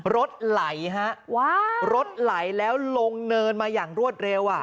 รถไหลฮะรถไหลแล้วลงเนินมาอย่างรวดเร็วอ่ะ